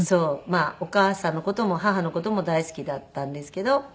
まあお母さんの事も母の事も大好きだったんですけど。